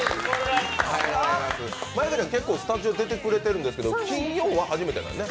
結構スタジオ出てくれてるんですけど金曜は初めてなんですよね。